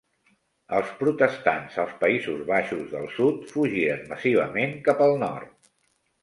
Els protestants als Països Baixos del sud fugiren massivament cap al nord.